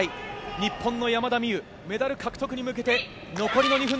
日本の山田美諭メダル獲得に向け残り２分。